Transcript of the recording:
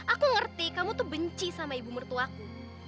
aku ngerti kamu tuh benci sama ibu mertuaku